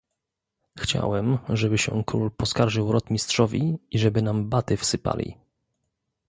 "Chciałem, żeby się król poskarżył rotmistrzowi i żeby nam baty wsypali."